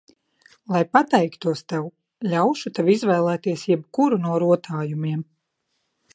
Lai pateiktos tev, ļaušu tev izvēlēties jebkuru no rotājumiem.